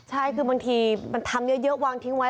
ใช่คือบางทีมันทำเยอะวางทิ้งไว้